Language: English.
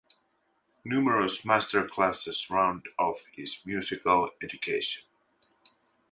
Numerous master classes round off his musical education.